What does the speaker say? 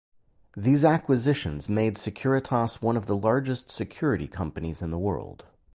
These acquisitions made Securitas one of the largest security companies in the world.